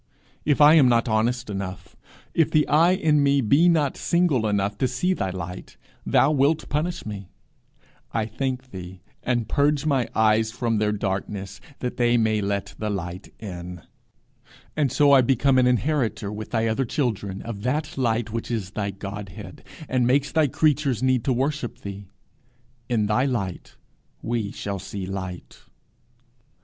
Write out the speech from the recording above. If I am not honest enough, if the eye in me be not single enough to see thy light, thou wilt punish me, I thank thee, and purge my eyes from their darkness, that they may let the light in, and so I become an inheritor, with thy other children, of that light which is thy Godhead, and makes thy creatures need to worship thee. 'In thy light we shall see light.'